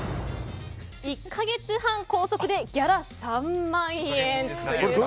１か月半拘束でギャラ３万円。